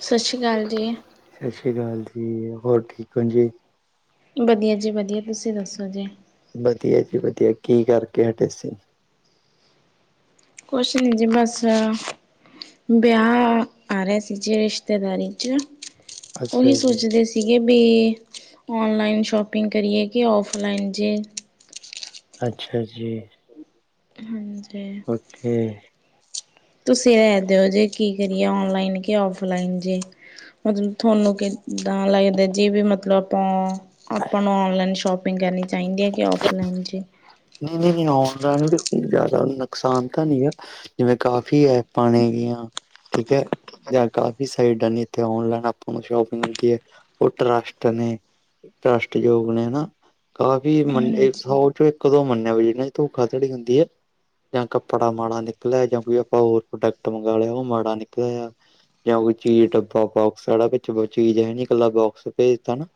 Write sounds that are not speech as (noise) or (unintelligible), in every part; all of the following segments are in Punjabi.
ਸਤਿ ਸ਼੍ਰੀ ਅਕਾਲ ਜੀ ਸਸ ਸ੍ਰੀ ਕਾਲ ਜੀ ਹੋਰ ਠੀਕ ਹੋ ਜੀ? ਵਧੀਆ ਜੀ ਵਧੀਆ ਤੁਸੀਂ ਦੱਸੋ ਜੀ? ਵਧੀਆ ਜੀ ਵਧੀਆ ਕੀ ਕਰਕੇ ਹਟੇ ਸੀ। ਕੁਛ ਨੀ ਜੀ ਬਸ ਵਿਆਹ ਆ ਰਿਹਾ ਸੀ ਜੇ ਰਿਸ਼ਤੇਦਾਰੀ ਚ, ਅੱਛਾ ਉਹੀ ਜੀ, ਸੋਚਦੇ ਸੀ ਬੀ ਵੀ ਔਨਲਾਈਨ ਸ਼ੋਪਿੰਗ ਕਰੀਏ ਕਿ ਔਫਲਾਈਨ ਜੀ। ਅੱਛਾ ਜੀ। ਹਾਂਜੀ ਕੀ ਤੁਸੀ ਐ ਦਿਓ ਜੇ ਕੀ ਕਰੀਏ ਓਨਲਾਈਨ ਕਿ ਔਫਲਾਈਨ ਜੀ। ਮਤਲਬ ਤੁਹਾਨੂੰ ਕਿੱਦਾ ਲੱਗਦਾ ਜੇ ਵੀ ਮਤਲਬ ਆਪਾ ਆਪਾ ਨੂੰ ਔਨਲਾਈਨ ਸ਼ੋਪਿੰਗ ਕਰਨੀ ਚਾਹੀਦੀ ਹੈ ਕੀ ਆਫਲਾਈਨ ਜੀ। ਨਈ-ਨਈ ਆਨਲਾਈਨ ਨੀ ਜਾਦਾ ਨੁਕਸਾਨ ਤਾ ਨੀ ਗਾ। ਜਿਵੇਂ ਕਾਫੀ ਹੈ ਪਾਣੀ ਦੀਆ ਠੀਕ ਹੈ। ਜਾ ਕਾਫੀ ਸਾਈਡਾ ਨੇ ਇੱਥੇ ਔਨਲਾਈਨ ਆਪਾ ਨੂੰ ਸ਼ੋਪਿੰਗ ਹੁੰਦੀ ਹੈ ਉਤ ਟਰਸਟ ਨੇ। ਟਰੱਸਟ ਯੋ ਨੇ ਹਨਾ ਕਾਫੀ ਮੰਨ ਹਾਂਜੀ ਸੌਚ ਕਦੋਂ ਮੰਨਿਆ ਵੀ ਇਨ੍ਹਾਂ ਦੀ ਧੋਖਾਧੜੀ ਹੁੰਦੀ ਹੈ। ਜਾ ਕੱਪੜਾ ਮਾੜਾ ਨਿਕਲਿਆ ਜਾ ਕੋਈ ਆਪਾ ਹੋਰ ਪ੍ਰੋਡਕਟ ਮੰਗ ਲਿਆ ਉਹ ਮਾੜਾ ਨਿਕਲਿਆ। ਜਾਂ ਕੋਈ ਚੀਜ਼ ਡੱਬਾ ਬੋਕਸਾ ਚੀਜ਼ ਹੈ ਨੀ ਇਕੱਲਾ ਬੋਕਸ ਭੇਜਤਾ ਨਾ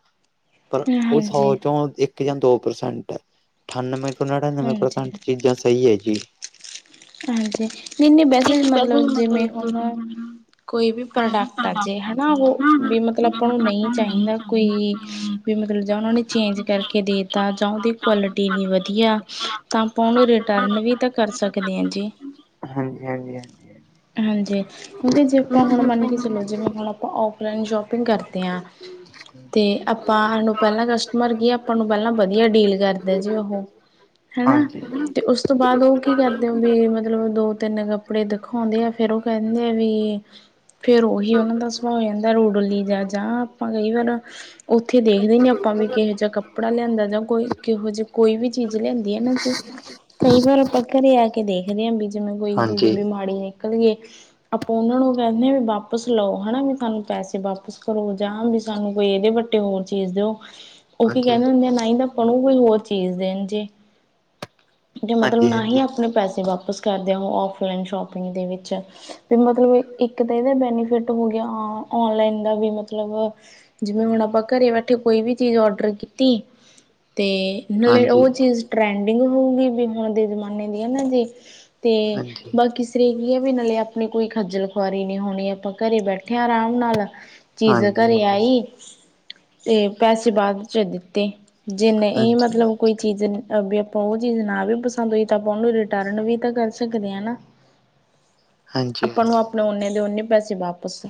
ਪਰ ਉਹ ਹਾਂਜੀ ਸੌ ਚੋਂ ਇੱਕ ਜਾਂ ਦੋ ਪ੍ਰਸੈਂਟ ਹੈ। ਅਠਾਨਵੇਂ ਮੈਂ ਨੜਿੰਨਵੇਂ ਹਾਂਜੀ ਪ੍ਰਸੰਟ ਚੀਜ਼ਾਂ ਸਹੀ ਹੈ ਜੀ। ਹਾਂਜੀ ਨਹੀ-ਨਹੀ ਇਹ ਵੈਸੇ ਤਾਂ ਮਤਲਬ ਹੀ ਜਿਵੇਂ ਹੁਣ- ਕੋਈ ਕੋਈ ਵੀ ਪ੍ਰੋਡਕਟ ਆ ਜੇ ਹਨਾ ਉਹ ਵੀ ਮਤਲਬ ਤੁਹਾਨੂੰ ਨੂੰ ਨਹੀਂ ਚਾਹੀਦਾ ਕੋਈ ਵੀ ਮਤਲਬ ਜਾਂ ਉਹਨਾਂ ਨੇ ਚੇਂਜ ਕਰਕੇ ਦੇਤਾ ਜਾਂ ਉਹਦੀ ਕੁਆਲਿਟੀ ਨੀ ਵਧੀਆ ਤਾਂ ਆਪਾਂ ਉਹਨੂੰ ਰਿਟਰਨ ਵੀ ਤਾਂ ਕਰ ਸਕਦੇ ਹਾਂ ਜੀ। ਹਾਂਜੀ ਹਾਂਜੀ ਹਾਂਜੀ ਕਿਉਂਕਿ ਜੇ ਆਪਾਂ ਹੁਣ ਮੰਨ ਕੇ ਚਲੋ ਜਿਵੇਂ ਹੁਣ ਆਪਾਂ ਔਫਲਾਈਨ ਸ਼ੋਪਿੰਗ ਕਰਦੇ ਆ- ਤੇ ਆਪਾਂ ਪਹਿਲਾਂ ਕਸਟਮਰ ਕੀ ਆਪਾਂ ਨੂੰ ਪਹਿਲਾਂ ਵਧੀਆ ਡੀਲ ਕਰ ਦੇ ਜੇ ਉਹ ਹਨਾ ਹਾਂਜੀ ਤੇ ਉਸ ਤੋਂ ਬਾਅਦ ਉਹ ਕੀ ਕਰ ਮਤਲਬ ਦੋ-ਤਿੰਨ ਕੱਪੜੇ ਦਿਖਾਉਂਦੇ ਆ ਫੇਰ ਉਹ ਕਹਿੰਦੇ ਆ ਵੀ ਫੇਰ ਉਹੀ ਉਹਨਾਂ ਦਾ ਸੁਭਾਅ ਹੋ ਜਾਂਦਾ ਰੁਡਲੀ ਜਾਂ-ਜਾਂ ਆਪਾਂ ਕਈ ਵਾਰ ਉੱਥੇ ਦੇਖਦੇ ਨਹੀਂ ਆਪਾਂ ਵੀ ਕਿਹੋ ਜਿਹਾ ਕੱਪੜਾ ਲਿਆਂਦਾ ਜਾਂ ਕੋਈ ਕਿਹੋ ਜਿ ਕੋਈ ਵੀ ਚੀਜ਼ ਲਿਆਂਦੀ ਹੈ ਨਾ ਜੀ ਕਈ ਵਾਰ ਆਪਾਂ ਘਰੇ ਆ ਕੇ ਦੇਖਦੇ ਹਾਂ ਵੀ ਜਿਵੇਂ ਕੋਈ ਚੀਜ਼ ਹਾਂਜੀ ਬਿ ਮਾੜੀ ਨਿਕਲ ਗਈ। ਆਪਾਂ ਉਹਨਾਂ ਨੂੰ ਕਹਿੰਦੇ ਹ ਵੀ ਵਾਪਿਸ ਲਓ ਹਨਾ ਵੀ ਸਾਨੂੰ ਪੈਸੇ ਵਾਪਿਸ ਕਰੋ ਜਾਂ ਵੀ ਸਾਨੂੰ ਕੋਈ ਇਹਦੇ ਵ ਤੇ ਹੋਰ ਚੀਜ਼ ਦਿਓ। (inaudible) ਉਹ ਕੀ ਕਹਿੰਦੇ ਹੁੰਦੇ ਆ ਨਹੀਂ ਤਾਂ ਆਪਣੂ ਕੋਈ ਹੋਰ ਚੀਜ਼ ਦੇਣ ਜੇ ਜ ਮਤਲਬ ਨਾ ਹੀ ਹਾਂਜੀ ਹਾਂਜੀ ਆਪ ਆਪਣੇ ਪੈਸੇ ਵਾਪਿਸ ਕਰਦੇ ਆ ਉਹ ਔਫਲਾਈਨ ਸ਼ੋਪਿੰਗ ਦੇ ਵਿੱਚ ਵੀ ਮਤਲਬ ਇੱਕ ਤਾਂ ਇਹਦੇ ਬੈਨੀਫਿਟ ਹੋ ਗਿਆ ਔਨਲਾਈਨ ਦਾ ਵੀ ਮਤਲਬ ਜਿਵੇਂ ਹੁਣ ਆਪਾਂ ਘਰੇ ਬੈਠੇ ਕੋਈ ਵੀ ਚੀਜ਼ ਔਡਰ ਕੀਤੀ ਤੇ ਹਾਂਜੀ ਉਹ ਚੀਜ਼ ਟਰੈਂਡਿੰਗ ਹੋਏਗੀ ਦਿਨੋਦਿਨ ਦੇ ਜ਼ਮਾਨੇ ਦੀ ਹੈ ਨਾ ਜੀ ਤੇ ਹਾਂਜੀ ਹਾਂਜੀ ਹਾਂਜੀ ਗੱਲ ਕੀਸ ਤਗੀ ਹੈ ਵੀ ਨਾਲੇ ਆਪਣੀ ਕੋਈ ਖੱਜਲ ਖੁਆਰੀ ਨੀ ਹੋਣੀ ਆਪਾਂ ਘਰੇ ਬੈਠੇ ਹਾਂ ਆਰਾਮ ਨਾਲ ਹਾਂਜੀ ਹਾਂਜੀ ਹਾਂਜੀ ਚੀਜ਼ ਹਾਂਜੀ ਘਰੇ ਹਾਂਜੀ ਆਈ ਤੇ ਪੈਸੇ ਬਾਅਦ ਚ ਦਿੱਤੇ ਜੇ ਨਹੀਂ ਮਤਲਬ ਕੋਈ ਚੀਜ਼ ਵੀ ਆਪਾਂ ਉਹ ਚੀਜ਼ ਨਾ ਵੀ ਪਸੰਦ ਹੋਈ ਤੇ ਉਹ ਨੂੰ ਰਿਟਰਨ ਵੀ ਤਾਂ ਕਰ ਸਕਦੇ ਆ ਨਾ ਆਪਾਂ ਨੂੰ ਆਪ ਉਨੇ ਦੇ ਉਨੇ ਪੈਸੇ ਵਾਪਸ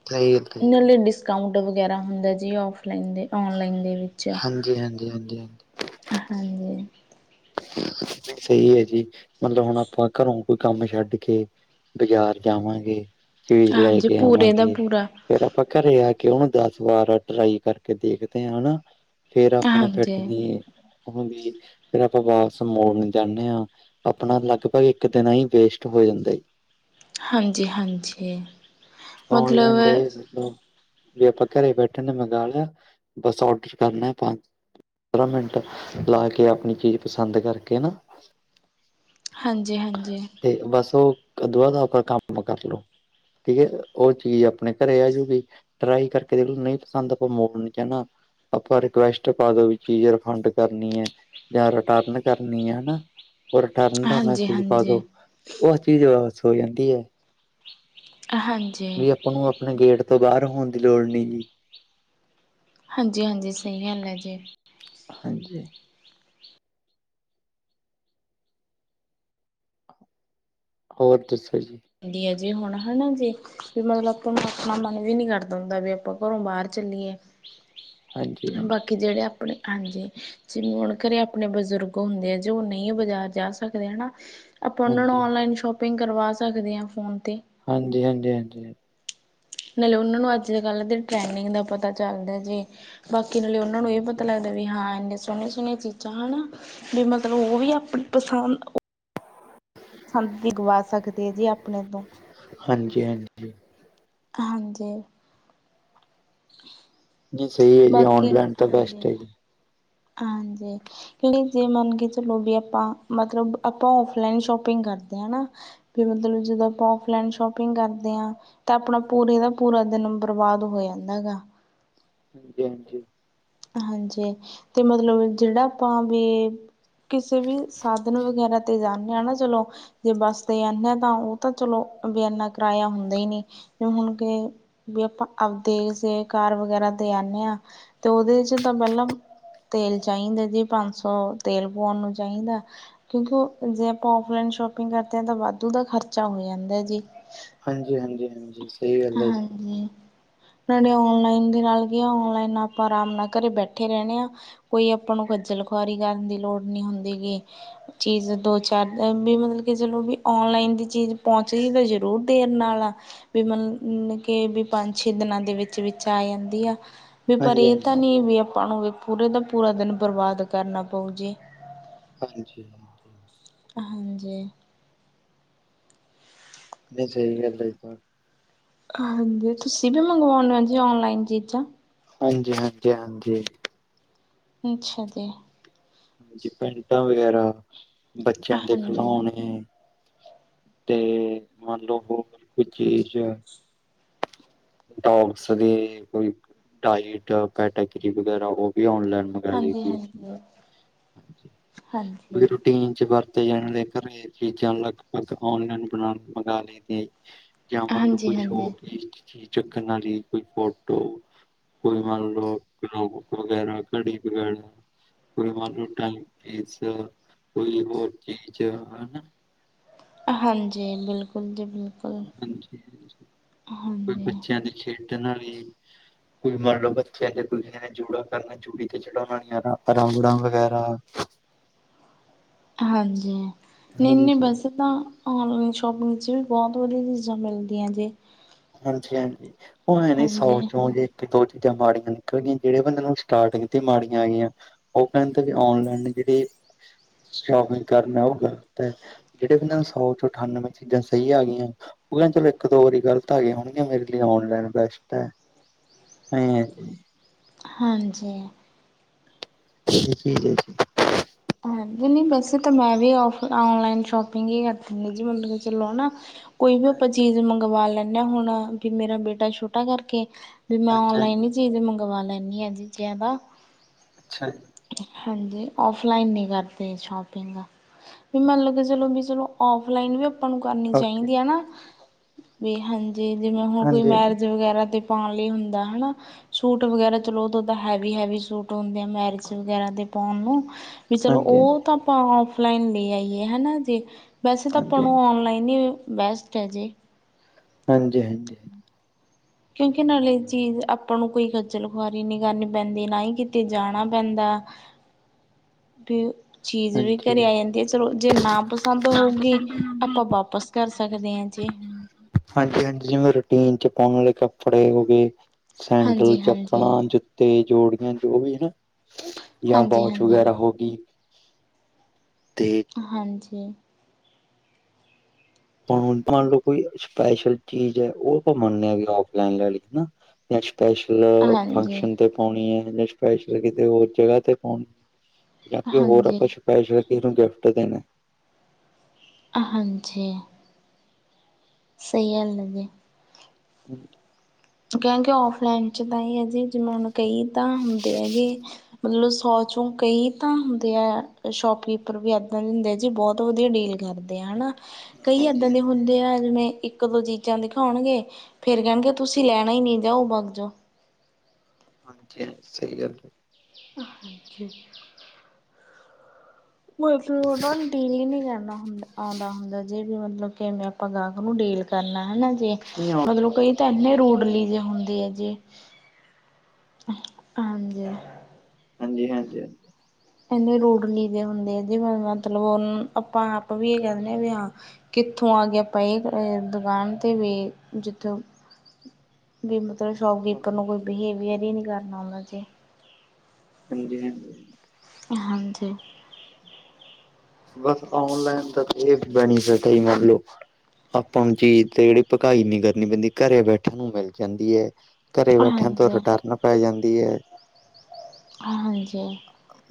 (unintelligible) ਉਹਨਾਂ ਲਈ ਡਿਸਕਾਊਂਟ ਵਗੈਰਾ ਹੁੰਦਾ ਜੀ ਔਫਲਾਈਨ ਦੇ ਔਨਲਾਈਨ ਦੇ ਵਿੱਚ ਹਾਂਜੀ-ਹਾਂਜੀ-ਹਾਂਜੀ-ਹਾਂਜੀ। ਹਾਂਜੀ। ਸਹੀ ਹੈ ਜੀ ਮਤਲਬ ਹੁਣ ਆਪਾਂ ਘਰੋਂ ਕੋਈ ਕੰਮ ਛੱਡ ਕੇ ਬਾਜ਼ਾਰ ਜਾਵਾਂਗੇ ਚੀਜ਼ ਲੈ ਹਾਂਜੀ ਕੇ ਪੂਰੇ ਦਾ ਆਵਾਂਗੇ। ਪੂਰਾ ਫਿਰ ਆਪਾਂ ਘੱਰੇ ਆ ਕੇ ਉਹਨੂੰ ਦਸ ਵਾਰ ਟਰਾਈ ਕਰਕੇ ਦੇਖਦੇ ਆ ਨਾ ਫੇਰ ਆਪਣੇ ਫਿੱਟ ਹਾਂਜੀ ਦੀ ਹੂੰਦੀ ਫਿਰ ਆਪਾਂ ਵਾਪਸ ਮੋੜਨ ਜਾਂਣੇ ਆ ਆਪਣਾ ਲਗਭੱਗ ਇੱਕ ਦਿਨ ਹੀ ਵੇਸਟ ਹੋ ਜਾਂਦਾ ਈ। ਹਾਂਜੀ-ਹਾਂਜੀ। ਔਨਲਾਈਨ ਦੇ (unintelligible) ਵੀ ਆਪਾਂ ਘਰੇ ਬੈਠੇ ਨੇ ਮਗਾਲ ਲਿਆ ਬਸ ਔਡਰ ਕਰਨਾ ਪੰਜ ਪੰਦਰਾਂ ਮਿੰਟ ਲਾ ਕੇ ਆਪਣੀ ਚੀਜ਼ ਪਸੰਦ ਕਰਕੇ ਨਾ- ਹਾਂਜੀ-ਹਾਂਜੀ। ਤੇ ਬਸ ਉਹ ਅ ਦੁਆ ਦਾ ਉਪਰ ਕੰਮ ਕਰਲੋ ਠੀਕ ਏ। ਉਹ ਚੀਜ਼ ਆਪਣੇ ਘਰੇ ਆਜੂਗੀ ਟਰਾਈ ਕਰ ਕੇ ਦੇਖ ਲੋ ਨਹੀਂ ਪਸੰਦ ਆਪਾਂ ਮੋੜਣ ਨੀ ਜਾਣਾ। ਆਪਾਂ ਰਿਕੁਐਸਟ ਪਾ ਦੋ ਵੀ ਚੀਜ਼ ਰਿਫੰਡ ਕਰਨੀ ਐ। ਜਾਂ ਰਿਟਰਨ ਕਰਨੀ ਆ ਨਾ ਉਹ ਰਿਟਰਨ ਦਾ ਹਾਂਜੀ ਹਾਂਜੀ ਮੈਸੇਜ ਪਾ ਦੋ। ਹਾਂਜੀ ਤੇ ਉਸ ਚੀਜ਼ ਵਾਪਸ ਹੋ ਜਾਂਦੀ ਹੈ। ਹਾਂਜੀ ਵੀ ਆਪਾਂ ਨੂੰ ਆਪਣੇ ਗੇਟ ਤੋਂ ਬਾਹਰ ਹੋਣ ਦੀ ਲੋੜ ਨਹੀਂ ਜੀ ਹਾਂਜੀ ਹਾਂਜੀ ਸਹੀ ਗੱਲ ਹੈ ਜੀ ਹਾਂਜੀ ਹੋਰ ਦੱਸੋ ਜੀ ਦੀ ਆ ਜੇ ਹੁਣ ਹਨਾ ਜੇ ਵੀ ਮਤਲਬ ਆਪਾਂ ਨੂੰ ਆਪਣਾ ਮਨ ਵੀ ਨੀ ਕਰਦਾ ਹੁੰਦਾ ਵੀ ਆਪਾਂ ਘਰੋਂ ਬਾਹਰ ਚੱਲੀਏ (unintelligible) ਹਾਂਜੀ ਬਾਕੀ ਜਿਹੜੇ ਆਪਣੇ ਹਾਂਜੀ ਜਿਵੇਂ ਹੁਣ ਘਰੇ ਆਪਣੇ ਬਜ਼ੁਰਗ ਹੁੰਦੇ ਆ ਜੇ ਉਹ ਨਹੀਂ ਬਾਜ਼ਾਰ ਜਾ ਸਕਦੇ ਹਨਾ ਆਪਾਂ ਉਹਨਾਂ ਨੂੰ ਹਾਂਜੀ ਔਨਲਾਈਨ ਸ਼ੋਪਿੰਗ ਕਰਵਾ ਸਕਦੇ ਹਾਂ ਫ਼ੋਨ 'ਤੇ ਹਾਂਜੀ ਹਾਂਜੀ ਹਾਂਜੀ ਨਾਲੇ ਉਹਨਾਂ ਨੂੰ ਅੱਜ ਦੇ ਕੱਲ੍ਹ ਦੇ ਟਰੈਨਿੰਗ ਦਾ ਪਤਾ ਚੱਲਦਾ ਜੇ ਬਾਕੀ ਨਾਲੇ ਉਹਨਾਂ ਨੂੰ ਇਹ ਪਤਾ ਹਾਂਜੀ ਲੱਗਦਾ ਹੁੰਦਾ ਵੀ ਹਾਂ ਇੰਨੇ ਸੋਹਣੀਆਂ ਸੋਹਣੀਆਂ ਚੀਜ਼ਾਂ ਹਨਾ ਵੀ ਮਤਲਬ ਉਹ ਵੀ ਆਪਣੀ ਪਸੰਦ। ਪਸੰਦ ਹੀ ਗਵਾ ਸਕਦੇ ਆ ਜੀ ਆਪਣੇ ਤੋਂ। ਹਾਂਜੀ ਹਾਂਜੀ। ਹਾਂਜੀ। ਹੂੰ। ਨਹੀਂ ਸਹੀ ਹੈ ਜੀ ਔਨਲਾਈਨ ਤਾਂ ਬੈਸਟ ਹੈ ਜੀ। ਹਾਂਜੀ। ਕਿ ਜੇ ਮੰਨ ਕੇ ਚਲੋ ਵੀ ਆਪਾਂ ਮਤਲਬ ਆਪਾਂ ਔਫਲਾਈਨ ਸ਼ੋਪਿੰਗ ਕਰਦੇ ਹਾਂ ਹਨਾ। ਵੀ ਮਤਲਬ ਜਦੋਂ ਆਪਾਂ ਔਫਲਾਈਨ ਸ਼ੋਪਿੰਗ ਕਰਦੇ ਹਾਂ। ਤਾਂ ਆਪਣਾ ਪੂਰੇ ਦਾ ਪੂਰਾ ਦਿਨ ਬਰਬਾਦ ਹੋ ਜਾਂਦਾ ਗਾ। ਹਾਂਜੀ ਹਾਂਜੀ। ਹਾਂਜੀ ਤੇ ਮਤਲਬ ਜਿਹੜਾ ਆਪਾਂ ਵੀ। ਕਿਸੇ ਵੀ ਸਾਧਨ ਵਗੈਰਾ ਤੇ ਜਾਂਦੇ ਹਾਂ ਨਾ ਚਲੋ ਜੇ ਬੱਸ ਤੇ ਆਦੇ ਤਾਂ ਉਹ ਤਾਂ ਚਲੋ ਇਨਾ ਕਰਾਇਆ ਹੁੰਦਾ ਹੀ ਨ ਜ ਹੁਣ ਕੇ ਵੀ ਆਪਾਂ ਆਪਦੇੇ ਕਾਰ ਵਗੈਰਾ ਦੇ ਆਦੇ ਹਾਂ ਤੇ ਉਹਦੇ ਚ ਤਾਂ ਪਹਿਲਾਂ ਤੇਲ ਚਾਹੀਦਾ ਜੀ ਪੰਜ ਸੌ ਤੇਲ ਪਉਣ ਨੂੰ ਚਾਹੀਦਾ ਕਿਉਂਕਿ ਜੇ ਆਪਾਂ ਫਲਾਈਨ ਸ਼ੋਪਿੰਗ ਕਰਦੇ ਹਾਂ ਤਾਂ ਵਾਧੂ ਦਾ ਖਰਚਾ ਹੋ ਜਾਂਦਾ ਜੀ ਹਾਂਜੀ ਹਾਂਜੀ ਹਾਂਜੀ ਸਹੀ ਗੱਲ ਹੈ ਜੀ ਲਨ ਨਾਲ ਲ ਆਪਾਂ ਆਰਾਮ ਨਾਲ ਘਰੇ ਬੈਠੇ ਰਹਿੰਣੇ ਹਾਂ ਕੋਈ ਆਪਾਂ ਨੂੰ ਖੱਜਲ ਖੁਆਰੀ ਕਰਨ ਦੀ ਲੋੜ ਨੀ ਹੁੰਦੀ ਗ ਚੀਜ਼ ਦੋ ਚਾਰ ਵੀ ਮਤਲਬ ਕਿ ਚਲੋ ਵੀ ਔਨਲਾਈਨ ਦੀ ਚੀਜ਼ ਪਹੁੰਚਦੀ ਤਾਂ ਜ਼ਰੂਰ ਦੇਰ ਨਾਲ ਆ ਵੀ ਮਤਲ ਕੇ ਵੀ ਪੰਜ ਛੇ ਦਿਨਾਂ ਦੇ ਵਿੱਚ ਵਿੱਚ ਆ ਜਾਂਦੀ ਆ ਵੀ ਪਰ ਹਾਂਜੀ ਇਹ ਤਾਂ ਹਾਂਜੀ ਨਹੀਂੀ ਵੀ ਆਪਾਂ ਨੂੰ ਵੀ ਪੂਰੇ ਦਾ ਪੂਰਾ ਦਿਨ ਬਰਬਾਦ ਕਰਨਾ ਪਊ ਜੇ ਹਾਂਜੀ ਹਾਂਜੀ (unintelligible) ਹਾਂਜੀ ਨਹੀਂ ਚਹੀ ਗੱਲ ਤੁ ਹਾਂਜੀ ਤੁਸੀਂ ਵੀ ਮੰਗਵਾਉਂਦੇ ਹੋ ਜੀ ਔਨਲਾਈਨ ਚੀਜ਼ਾਂ। ਹਾਂਜੀ ਹਾਂਜੀ ਹਾਂਜੀ। ਅੱਛਾ ਜੀ। ਹਾਂਜੀ ਪੈਂਟਾਂ ਵਗੈਰਾ ਬੱਚਿਆਂ ਦੇ ਹਾਂਜੀ ਖਿਲੋਣੇ। ਤੇ ਮੰਨ ਲਓ ਹੋਰ ਕੋਈ ਚੀਜ਼। ਟੌਕਸ ਦੀ ਕੋਈ। ਡਾਇਟ, ਕੈਟਾਗਰੀ ਵਗੈਰਾ ਉਹ ਵੀ ਔਨਲਾਈਨ ਵਗੈਰਾ। ਹਾਂਜੀ ਹਾਂਜੀ। ਤੁਸੀਂ ਹਾਂਜੀ ਰੋਟੀ। ਕਈ ਇੰਝ ਵਰਤੇ ਜਾਣ ਵਾਲੇ ਘਰੇ ਚੀਜ਼ਾਂ ਲਗਪਗ ਔਨਲਾਈਨ ਬਣਾ ਮੰਗਾ ਲਈਦੀਆਂ। ਜਾਂ ਮੰਨ ਲਓ ਹਾਂਜੀ ਕੋਈ ਹਾਂਜੀ ਸ਼ੋਪੀਸ ਚੀਜ਼ ਚੱਕਣ ਵਾਲੀ ਕੋਈ ਫੋਟੋ। ਕੋਈ ਮੰਨ ਲਓ ਕਲੋਕ ਵਗੈਰਾ, ਘੜੀ ਵਗੈਰਾ। ਕੋਈ ਮੰਨ ਲਓ ਟਾਈਮ ਪੀਸ, ਕੋਈ ਹੋਰ ਚੀਜ਼ ਹੈਨਾ। ਹਾਂਜੀ ਬਿਲਕੁਲ ਜੀ ਬਿਲਕੁਲ ਹਾਂਜੀ ਹਾਂਜੀ ਕੋਈ ਹਾਂਜੀ। ਬੱਚਿਆਂ ਦੀ ਖੇਡਣ ਲਈ, ਕੋਈ ਮੰਨ ਲਓ ਬੱਚਿਆਂ ਦੀ ਜਾਂ ਕਿਸੇ ਨੇ ਜੂੜਾ ਕਰਨਾ। ਜੂੜੀ ਤੇ ਛੱਡਾਨਉਣ ਵਾਲੀਆਂ ਨਾ, ਅੜਾਣਾ ਵਗੈਰਾ। ਹਾਂਜੀ ਹਾਂਜੀ ਨਹੀਂ ਨਹੀਂ ਹਾਂਜੀ ਬਸ। ਤਾਂ ਔਨਲਾਈਨ ਸ਼ੋਪਿੰਗ ਵਿੱਚ ਵੀ, ਬਹੁਤ ਵਧੀਆ ਚੀਜ਼ਾਂ ਮਿਲਦੀਆਂ ਜੀ। ਹਾਂਜੀ ਹਾਂਜੀ, ਉਹ ਆਏਂ ਨਾ ਹਾਂਜੀ ਸੌਚ ਜੇ। ਕਿ ਦੋ ਚੀਜ਼ਾਂ ਮਾੜੀਆਂ ਨਿਕਲ ਗੀਆਂ, ਜਿਹੜੇ ਬੰਦੇ ਨੂੰ ਸਟਾਰਟਿੰਗ ਤੇ ਮਾੜੀਆਂ ਆਇਆਂ। ਉਹ ਕਹਿੰਦਾ ਵੀ ਔਨਲਾਈਨ ਜਿਹੜੀ ਸ਼ੋਪਿੰਗ ਕਰਨਾ ਆਊਂਗਾ ਤੇ। ਜਿਹੜੇ ਕਹਿੰਦੇ ਸੌ ਚੋਂ ਅਠਾਨਵੇਂ ਚੀਜ਼ਾਂ ਸਹੀ ਆ ਗਈਆਂ, ਉਹ ਕਹਿੰਦੇ ਚਲੋ ਇੱਕ ਦੋ ਵਾਰੀ ਗੱਲ। ਸਹੀ ਆ ਗਈਆਂ ਹੋਣਗੀਆਂ, ਮੇਰੇ ਲਈ ਔਨਲਾਈਨ ਬੈਸਟ ਹੈ, ਆਏਂ ਜੀ। ਹਾਂਜੀ। ਹੀ ਹੀ ਹੀ ਹਾਂਜੀ, ਨਹੀਂ ਵੈਸੇ ਤਾਂ ਮੈਂ ਵੀ ਔਫਲਾਈਨ ਔਨਲਾਈਨ ਸ਼ੋਪਿੰਗ ਹੀ ਕਰ ਦਿੰਦੀ ਜੀ, ਮੰਨ ਕੇ ਚੱਲੋ ਹੜਾਂ। ਕੋਈ ਵੀ ਆਪਾਂ ਹਾਂਜੀ ਚੀਜ਼ ਮੰਗਵਾ ਲੈਂਨੇ ਆ ਹੁਣ, ਵੀ ਮੇਰਾ ਬੇਟਾ ਛੋਟਾ ਕਰਕੇ ਵੀ ਮੈਂ ਔਨਲਾਈਨ ਹਾਂਜੀ ਈ ਚੀਜ਼ ਮੰਗਵਾ ਲੈਂਨੀ ਆ ਜੀ, ਜਾਯਾਦਾ ਅੱਛਾ। ਹਾਂਜੀ ਔਫਲਾਈਨ ਨੀ ਕਰਦੇ ਸ਼ੋਪਿੰਗ। ਵੀ ਮੈਂਨੂੰ ਲੱਗਦਾ ਚਲੋ, ਵੀ ਚਲੋ ਔਫਲਾਈਨ ਆ ਆਪਾਂ ਨੂੰ ਕਰਨੀ ਓਕੇ ਚਾਈਦੀ ਐ ਨਾ, ਵੀ ਹਾਂਜੀ ਜਿਵੇਂ ਹੋਗਈ ਹਾਂਜੀ ਮੈਰਿਜ ਵਗੈਰਾ ਤੇ ਪਾਣ ਲਈ ਹੁੰਦਾ ਹੈਨਾ, ਸੂਟ ਵਗੈਰਾ ਚਲੋ ਉਦੋਂ ਹੈਵੀ-ਹੈਵੀ ਸੂਟ ਹੁੰਦੇ ਆ ਮੈਰਿਜ ਜ ਵਗੈਰਾ ਦੇ ਪੋਣ ਨੂੰ, ਵੀ ਚਲੋ ਹਾਂਜੀ ਹਾਂਜੀ ਓ ਤਾਂ ਆਪਾਂ ਔਫਲਾਈਨ ਲੇ ਆਈਏ ਹੈਨਾ ਜੇ ਵੈਸੇ ਤਾਂ ਆਪਾਂ ਹਾਂਜੀ ਨੂੰ ਔਨਲਾਇਨ ਈ ਬੈਸਟ ਐ ਜੀ। ਹਾਂਜੀ-ਹਾਂਜੀ ਹਾਂ ਕਿਉਂਕਿ ਨਾਲੇ ਚੀਜ਼ ਆਪਾਂ ਨੂੰ ਕੋਈ ਖੱਜਲ ਖੁਆਰੀ ਨਹੀਂ ਕਰਨੀ ਪੈਂਦੀ, ਨਾ ਹੀ ਕਿਤੇ ਜਾਣਾ ਪੈਂਦਾ। ਹੂੰ। (unintelligible) ਵੀ ਉਹ ਚੀਜ਼ ਵੀ ਘਰੇ ਆ ਜਾਂਦੀ ਆ, ਚਲੋ ਜੇ ਨਾ ਪਸੰਦ ਹੋਊਗੀ ਆਪਾਂ ਹਾਂਜੀ ਵਾਪਸ। ਕਰ ਸਕਦੇ ਹਾਂ ਜੀ। ਹਾਂਜੀ ਹਾਂਜੀ ਜਿਵੇਂ ਰੂਟੀਨ 'ਚ ਪਾਉਣ ਵਾਲੇ ਕੱਪੜੇ ਹੋ ਗਏ, ਸੈਂਡਲ, ਹਾਂਜੀ ਹਾਂਜੀ ਚੱਪਲਾਂ, ਜੁੱਤੀ। ਤੇ ਜੋੜੀਆਂ ਜੋ ਵੀ ਹੈਂ, ਜਾਂ ਹਾਂਜੀ ਵਾਚ ਹਾਂਜੀ ਵਗੈਰਾ ਹੋ ਗਈ। ਤੇ। ਹਾਂਜੀ। ਤਾਂ ਹੁਣ ਮੰਨ ਲਓ ਕੋਈ ਸਪੈਸ਼ਲ ਚੀਜ਼ ਹੈ, ਉਹ ਆਪਾਂ ਮੰਨਦੇ ਹਾਂ ਵੀ ਔਫਲਾਈਨ ਲੈ ਲੋ ਹੈਨਾ। ਜਾਂ ਸਪੈਸ਼ਲ ਹਾਂਜੀ ਫੰਕਸ਼ਨ ਤੇ। ਪਾਉਣੀ ਹੈ, ਜਾਂ ਸਪੈਸ਼ਲ ਕਿਤੇ ਹੋਰ ਜਗ੍ਹਾ ਤੇ ਪਾਉਣੀ ਹੈ, ਜਾਂ ਕੋਈ ਹੋਰ ਹਾਂਜੀ ਆਪਾਂ। ਸਪੈਸ਼ਲ ਕਿਸੇ ਨੂੰ ਗਿਫਟ ਦੇਣਾ। ਹਾਂਜੀ। ਸਹੀ ਗਲ ਐ ਜੀ (unintelligible) ਕੈਂ ਕੇ ਔਫਲਾਈਨ ਚ ਤਾਂ ਏ ਐ ਜੀ, ਜਿਵੇਂ ਹੁਣ ਕਈ ਤਾਂ ਹੁੰਦੇ ਐਗੇ ਮਤਲਬ ਸੌ ਚੋਂ ਕਈ ਤਾਂ ਹੁੰਦੇ ਐ, ਸ਼ੋਪਕੀਪਰ ਵੀ ਏਦਾਂ ਦੇ ਹੁੰਦੇ ਐ ਜੀ, ਬੋਤ ਵਧੀਆ ਡੀਲ ਕਰ ਤੇ ਹੈਨਾ ਕਈ ਹਾਂਜੀ ਹਾਂਜੀ ਏਦਾਂ ਦੇ ਹੁੰਦੇ ਆ, ਜਿਵੇਂ ਇੱਕ ਦੋ ਚੀਜ਼ਾਂ ਦਿਖਾਓਣਗੇ ਫੇਰ ਕੈਣਗੇ ਤੁਸੀਂ ਲੈਣਾ ਈ ਨੀ, ਜਾਓ ਭਾਗ ਜੋ। ਹਾਂਜੀ ਹਾਂਜੀ ਸਈ ਗੱਲ। ਹਾਂਜੀ। ਮਤਲਬ ਓਨਾ ਨੂੰ ਡੀਲ ਈ ਨੀ ਕਰਨਾ ਹੁੰਦਾ ਔਂਦਾ ਹੁੰਦਾ ਜੇ। ਜੇ ਮਤਲਬ ਕਿਵੇਂ ਆਪਾਂ ਗਾਹਕ ਨੂੰ ਡੀਲ ਕਰਨਾ ਹੈਨਾ ਜੀ, ਨਹੀਂ ਆ- ਮਤਲਬ ਕਈ ਤਾਂ ਐਨੇ ਰੂਡਲੀ ਜੇ ਹੁੰਦੇ ਐ ਜੇ ਹਾਂਜੀ। ਹਾਂਜੀ-ਹਾਂਜੀ ਐਨੇ ਰੂਡਲੀ ਦੇ ਹੁੰਦੇ ਆ, ਜਿਵੇਂ ਮਤਲਬ ਆਪਾਂ ਆਪ ਵੀ ਏ ਕੈ ਦਿੰਨੇ ਆ ਵੀ ਹਾਂ ਕਿੱਥੋਂ ਆ ਗਏ ਪਏ ਦੁਕਾਨ ਤੇ ਵੀ ਜਿੱਥੋਂ (inaudible) ਵੀ ਮਤਲਬ ਸ਼ੋਪਕੀਪਰ ਨੂੰ ਕੋਈ ਬਿਹੇਵੀਅਰ ਈ ਨੀ ਕਰਨਾ ਆਂਦਾ ਜੇ। ਹਾਂਜੀ-ਹਾਂਜੀ ਹਾਂਜੀ। ਬਸ ਔਨਲਾਈਨ ਤਾਂ ਜੀ ਏਹ ਬੈਨੀਫਿਟ ਆ ਜੀ ਮੰਨ ਲਓ ਆਪਾਂ ਨੂੰ ਚੀਜ਼ ਤੇ ਜੇੜੀ ਪਕਾਈ ਨੀ ਕਰਨੀ ਪੈਂਦੀ ਘਰੇ ਬੈਠਣ ਨੂੰ ਮਿਲ ਜਾਂਦੀ ਹੈ। ਘਰੇ ਬੈਠਿਆਂ ਤੋਂ ਹਾਂਜੀ ਰਿਟਰਨ ਪੈ ਜਾਂਦੀ ਹੈ। ਹਾਂਜੀ ਹਾਂਜੀ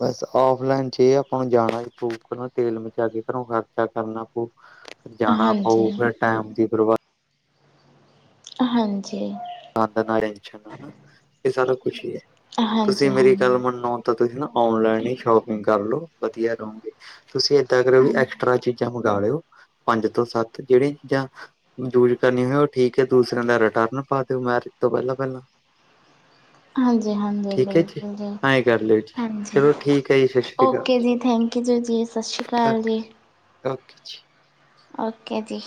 ਬਸ ਔਫਲਾਈਨ ਚ ਏ ਆ ਆਪਾਂ ਨੂੰ ਜਾਣਾ ਪਉ ਤੇਲ ਬਚਾ ਕੇ ਘਰੋਂ ਖਰਚਾ ਕਰਨਾ ਪੂ। ਜਾਣਾ ਪਾਊ ਹਾਂਜੀ ਫਿਰ ਟਾਈਮ ਦੀ ਬਰਬਾਦੀ ਹਾਂਜੀ। ਆਨੰਦ (unintelligible) ਸਾਨੂੰ ਖੁਸ਼ੀ ਹੈ ਤੁਸੀਂ ਹਾਂਜੀ ਮੇਰੀ ਗੱਲ ਹਾਂਜੀ ਮੰਨ ਲਓ ਤਾਂ ਤੁਸੀਂ ਨਾ ਔਨਲਾਈਨ ਈ ਸ਼ੋਪਿੰਗ ਕਰ ਲੋ ਵਧੀਆ ਰਓਂਗੇ ਤੁਸੀਂ ਏਦਾਂ ਕਰੋ ਵੀ ਐਕਸਟਰਾ ਚੀ- ਚੀਜ਼ਾਂ ਮੰਗ ਲਿਓ ਪੰਜ ਤੋਂ ਸੱਤ ਜੇਡੀਆ ਚੀਜ਼ਾਂ ਯੂਜ ਕਰਨੀ ਹੋਏ ਉਹ ਠੀਕ ਹੈ ਦੂਸਰਿਆਂ ਦਾ ਰਿਟਰਨ ਪਾ ਦਿਓ ਮੈਰਿਜ ਤੋਂ ਪਹਿਲਾਂ ਪਹਿਲਾਂ (inaudible) ਹਾਂਜੀ ਹਾਂਜੀ ਠੀਕ ਹੈ ਬਿਲਕੁਲ ਜੀ ਐਏਂ ਕਰ ਲਿਓ ਜੀ ਹਾਂਜੀ ਚਲੋ ਠੀਕ ਹੈ ਜੀ ਸਤਿ ਸ਼੍ਰੀ ਅਕਾਲ ਓਕੇ ਜੀ ਥੈਂਕ ਜੀਜਾ ਜੀ ਸਤਿ ਸ਼੍ਰੀ ਅਕਾਲ ਜੀ ਓਕੇ ਜੀ ਓਕੇ ਜੀ